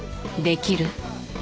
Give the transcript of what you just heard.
できる？